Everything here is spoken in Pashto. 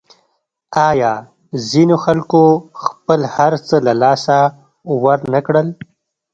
آیا ځینو خلکو خپل هرڅه له لاسه ورنکړل؟